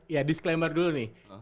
ya disclaimer dulu nih